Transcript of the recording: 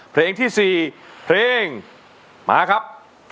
เพลงที่๔เพลงมาครับ